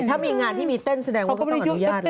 ถ้ามีงานที่มีเต้นแสดงว่าก็ต้องหยุดเต้น